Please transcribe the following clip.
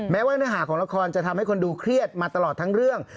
แม้ว่าเนื้อหาของละครจะทำให้คนดูเครียดมาตลอดทั้งเรื่อง